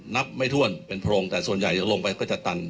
ไม่ถ้วนเป็นโพรงแต่ส่วนใหญ่ลงไปก็จะตัน